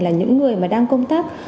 là những người mà đang công tác